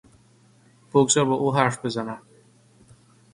بگذار با او حرف بزنم.